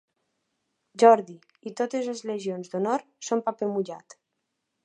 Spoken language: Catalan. Jordi i totes les legions d'honor són paper mullat.